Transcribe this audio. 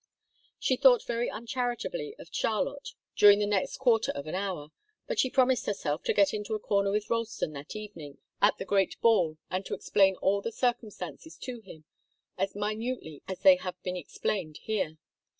She thought very uncharitably of Charlotte during the next quarter of an hour, but she promised herself to get into a corner with Ralston that evening, at the great ball, and to explain all the circumstances to him as minutely as they have been explained here.